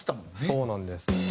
そうなんです。